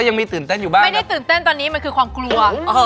ยังไม่ถึงเต้นตอนนี้มันคือความกลัว